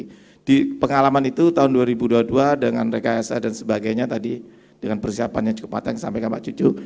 jadi pengalaman itu tahun dua ribu dua puluh dua dengan rks dan sebagainya tadi dengan persiapannya cukup matang sampai ke pak cucu